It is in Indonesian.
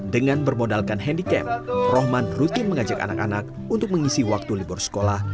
dengan bermodalkan handicap rohman rutin mengajak anak anak untuk mengisi waktu libur sekolah